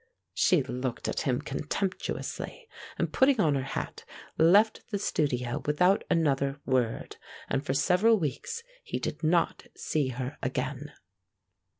She looked at him contemptuously, and putting on her hat, left the studio without another word; and for several weeks he did not see her again.